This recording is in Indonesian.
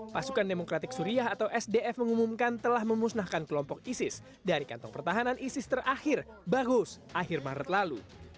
pasukan demokratik suriah atau sdf mengumumkan telah memusnahkan kelompok isis dari kantong pertahanan isis terakhir bahus akhir maret lalu